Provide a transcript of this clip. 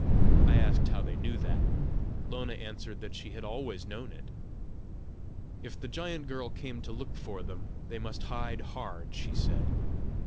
I asked how they knew that; Lona answered that she had always known it. If the giant girl came to look for them, they must hide hard, she said.